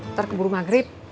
ntar keburu maghrib